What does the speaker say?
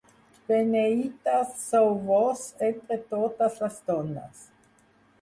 Beneita sou Vós entre totes les dones.